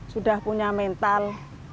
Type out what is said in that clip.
sudah punya mental